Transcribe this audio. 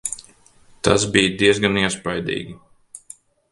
Tas bija diezgan iespaidīgi.